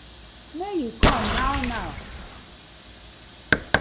Mak yu com naw naw.